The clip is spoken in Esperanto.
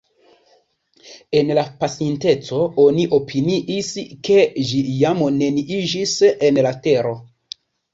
En la pasinteco oni opiniis, ke ĝi jam neniiĝis en la tero.